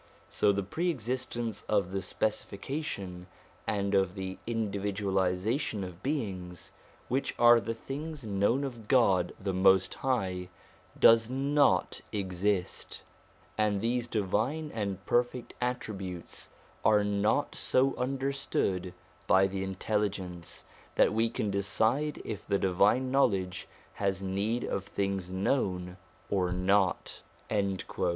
So the pre existence of the specifica tion and of the individualisation of beings which are the things known of God the Most High, does not exist; and these divine and perfect attributes are not so understood by the intelligence, that we can decide if the Divine Knowledge has need of things known or not.